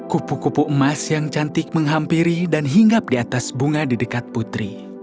kupu kupu emas yang cantik menghampiri dan hinggap di atas bunga di dekat putri